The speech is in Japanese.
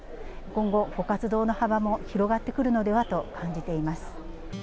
今後、ご活動の幅も広がってくるのではと感じています。